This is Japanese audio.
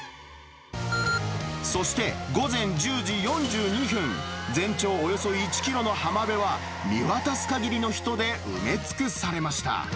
そして午前１０時４２分、全長およそ１キロの浜辺は、見渡すかぎりの人で埋め尽くされました。